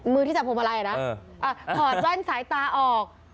มือที่จับพวงมาลัยอ่ะนะเอออ่ะถอดแว่นสายตาออก